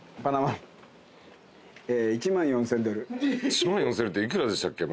１万４，０００ドルって幾らでしたっけ？